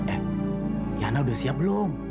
eh yana udah siap belum